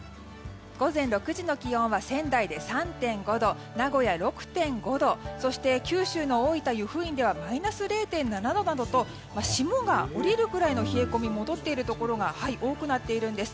午前６時の気温は仙台で３．５度名古屋６．５度そして九州の大分・由布院ではマイナス０．７度などと霜が降りるぐらいの冷え込みが戻っているところが多くなっているんです。